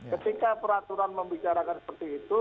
ketika peraturan membicarakan seperti itu